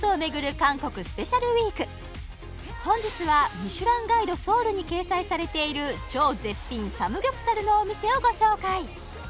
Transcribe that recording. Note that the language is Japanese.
本日はミシュランガイドソウルに掲載されている超絶品サムギョプサルのお店をご紹介